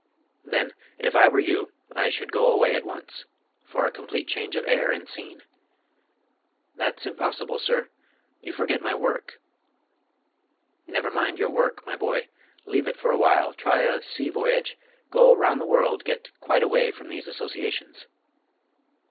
"Then, if I were you, I should go away at once, for a complete change of air and scene." "That's impossible, sir you forget my work!" "Never mind your work, my boy: leave it for a while, try a sea voyage, go round the world, get quite away from these associations."